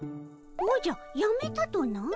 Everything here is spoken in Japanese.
おじゃやめたとな？